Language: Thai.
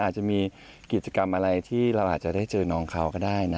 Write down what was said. อาจจะมีกิจกรรมอะไรที่เราอาจจะได้เจอน้องเขาก็ได้นะ